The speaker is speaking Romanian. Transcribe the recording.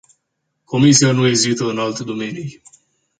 Comisia nu ezită în alte domenii.